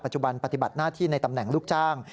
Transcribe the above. จุบันปฏิบัติหน้าที่ในตำแหน่งลูกจ้าง